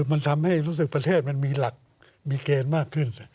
มันทำให้รู้สึกประเทศมันมีหลักมีเกณฑ์มากขึ้น